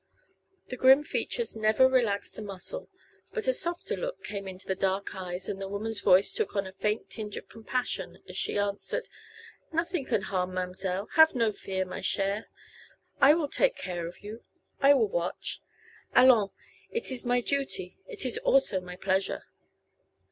_" The grim features never relaxed a muscle; but a softer look came into the dark eyes and the woman's voice took on a faint tinge of compassion as she answered: "Nothing can harm ma'm'selle. Have no fear, ma chere. I will take care of you; I will watch. Allons! it is my duty; it is also my pleasure."